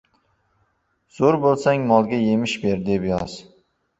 Zo‘r bo‘lsang, molga yemish ber, deb yoz!